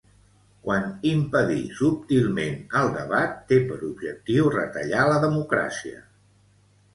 Quan impedir subtilment el debat té per objectiu retallar la democràcia.